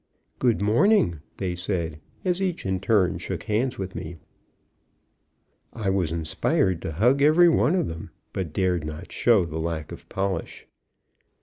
"Good morning," they said, as each in turn shook hands with me. I was inspired to hug every one of them, but dared not show the lack of polish.